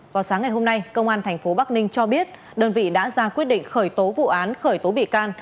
vào sáng ngày hôm nay công an tp bắc ninh cho biết đơn vị đã ra quyết định khởi tố vụ án khởi tố bị can